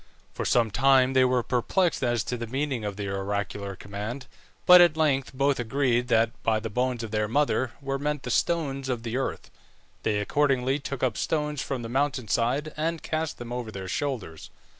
For some time they were perplexed as to the meaning of the oracular command, but at length both agreed that by the bones of their mother were meant the stones of the earth. They accordingly took up stones from the mountain side and cast them over their shoulders.